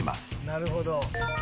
「なるほど」